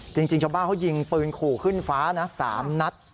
จริงชาวบ้านเขายิงปืนขู่ขึ้นฟ้านะ๓นัด